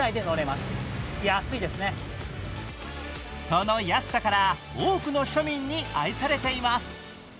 その安さから多くの庶民に愛されています。